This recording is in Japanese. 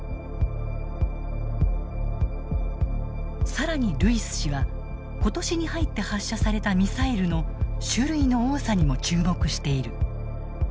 更にルイス氏は今年に入って発射されたミサイルの種類の多さにも注目している。